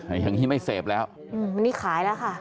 อันนี้ไม่เสพแล้วอืมอันนี้ขายแล้วค่ะ